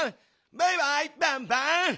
バイバイバンバン！